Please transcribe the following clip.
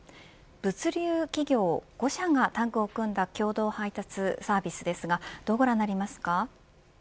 物流企業５社がタッグを組んだ共同配送されたことですがどうご覧になりますか。